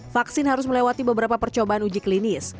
vaksin harus melewati beberapa percobaan uji klinis